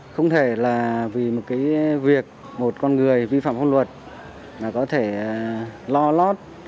không thể là vì một cái việc một con người vi phạm pháp luật là có thể lo lót